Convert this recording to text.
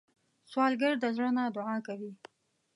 سوالګر د زړه نه دعا کوي